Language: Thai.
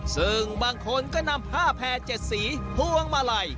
ซึ่งบางคนก็นำผ้าแพร่๗สีพวงมาลัย